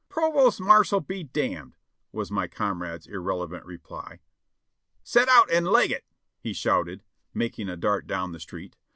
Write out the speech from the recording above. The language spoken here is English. "Provost marshal be damned !" was my comrade's irreverent reply. "Set out and leg it!" he shouted, making a dart down the street.